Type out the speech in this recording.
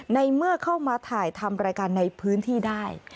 ในเมื่อเข้ามาถ่ายทำรายการในพื้นที่ได้